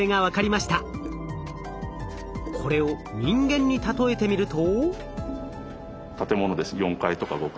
これを人間に例えてみると。